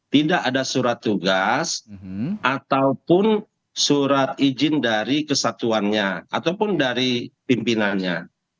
tidak ada surat tugas ataupun surat izin dari kesatuannya ataupun dari pimpinannya